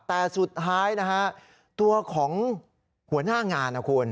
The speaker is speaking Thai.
แต่สุดท้ายนะฮะตัวของหัวหน้างานนะคุณ